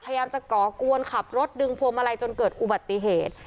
พยายามจะก่อกวนขับรถดึงพวงมาลัยจนเกิดอุบัติเหตุ